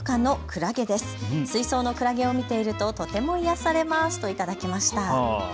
クラゲを見ているととても癒やされますといただきました。